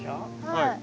はい。